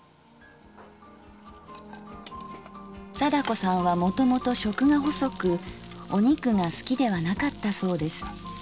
貞子さんはもともと食が細くお肉が好きではなかったそうです。